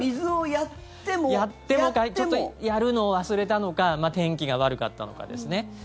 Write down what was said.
やってもちょっとやるのを忘れたのか天気が悪かったのかですね。